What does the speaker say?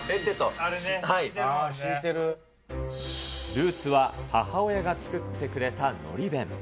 ルーツは、母親が作ってくれたのり弁。